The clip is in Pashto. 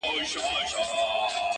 د عبدالباري جهاني منظومه ترجمه؛